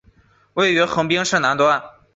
位于横滨市最南端。